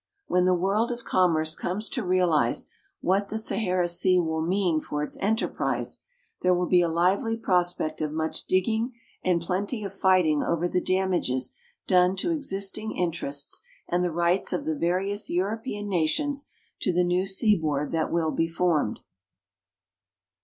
When the world of commerce comes to realize what the Sahara Sea will mean for its enterprise, there will be a lively prospect of much digging and plenty of fighting over the damages done to existing interests and the rights of the various European nations to the new seaboard that will be formed.